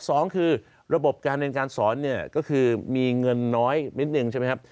สองคือระบบการเรียนการสอนเนี่ยก็คือมีเงินน้อยนิดนึงใช่ไหมครับ